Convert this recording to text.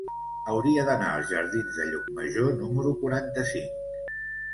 Hauria d'anar als jardins de Llucmajor número quaranta-cinc.